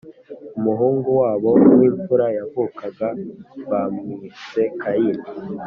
umuhungu wabo w imfura yavukaga bamwise Kayini